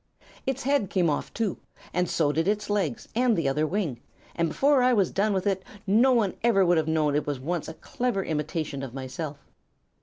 Its head came off, too, and so did its legs and the other wing, and before I was done with it no one ever would have known it was once a clever imitation of myself.